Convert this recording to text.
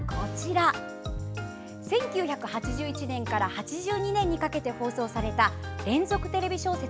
１９８１年から８２年にかけて放送された連続テレビ小説